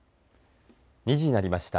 ２時になりました。